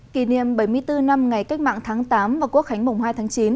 kỷ niệm bảy mươi bốn năm ngày cách mạng tháng tám và quốc khánh mùng hai tháng chín